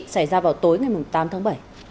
xảy ra vào tối ngày tám tháng ba